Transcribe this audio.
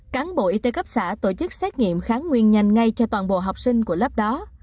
cán bộ y tế cấp xã tổ chức xét nghiệm kháng nguyên nhanh ngay cho toàn bộ học sinh của lớp đó